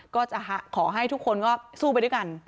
ก็จะขอให้ทุกคนก็สู้ไปด้วยกัน